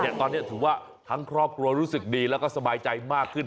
ตอนนี้ถือว่าทั้งครอบครัวรู้สึกดีแล้วก็สบายใจมากขึ้น